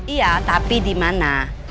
iya tapi dimana